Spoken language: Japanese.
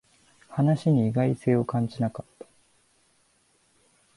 話に意外性を感じなかった